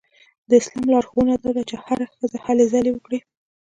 د اسلام لارښوونه دا ده چې هره ښځه هلې ځلې وکړي.